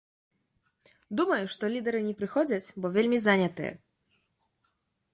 Думаю, што лідары не прыходзяць, бо вельмі занятыя.